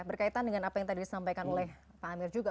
berkaitan dengan apa yang tadi disampaikan oleh pak amir juga